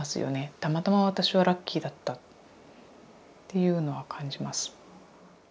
たまたま私はラッキーだったっていうのは感じます。